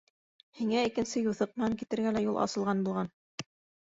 Һиңә икенсе юҫыҡ менән китергә лә юл асылған булған...